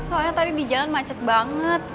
soalnya tadi di jalan macet banget